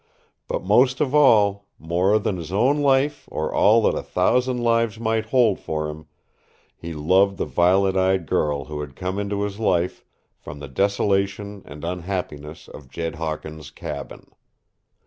But most of all, more than his own life or all that a thousand lives might hold for him, he loved the violet eyed girl who had come into his life from the desolation and unhappiness of Jed Hawkins' cabin.